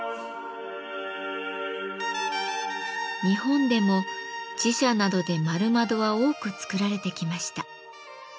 日本でも寺社などで円窓は多く作られてきました。